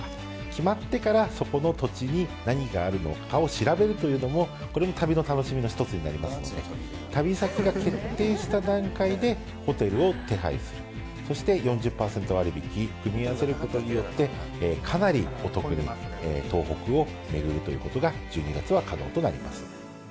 決まってからそこの土地に何があるのかを調べるというのも、これも旅の楽しみの一つになりますので、旅先が決定した段階でホテルを手配する、そして４０％割引、組み合わせることによって、かなりお得に東北を巡るということが、１２月は可能となります。